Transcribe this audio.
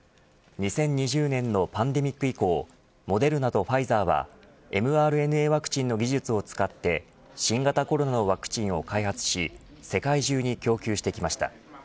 ２０２０年のパンデミック以降モデルナとファイザーはｍＲＮＡワクチンの技術を使って新型コロナのワクチンを開発し世界中に供給してきました。